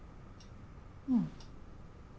うん。